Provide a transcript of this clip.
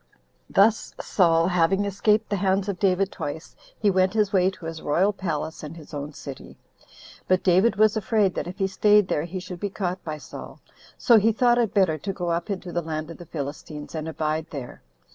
10. Thus Saul having escaped the hands of David twice, he went his way to his royal palace, and his own city: but David was afraid, that if he staid there he should be caught by Saul; so he thought it better to go up into the land of the Philistines, and abide there.